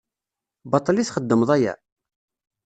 Baṭel i txeddmeḍ aya?